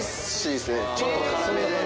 ちょっと辛めで。